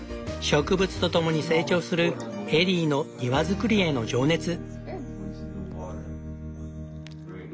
植物とともに成長するエリーの庭造りへの情熱。